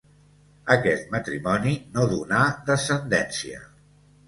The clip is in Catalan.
Aquest matrimoni no donà descendència.